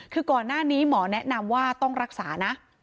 คือก่อนหน้านี้หมอแนะนำว่าต้องรักษานะ